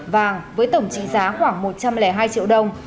vàng với tổng trị giá khoảng một trăm linh hai triệu đồng